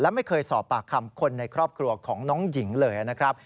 และไม่เคยสอบปากคำคนในครอบครัวของน้องหญิงเลยนะครับ